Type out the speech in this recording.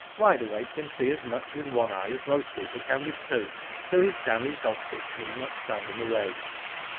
''Wide Awake can see as much with one eye as most people can with two, so his damaged optic need not stand in the way.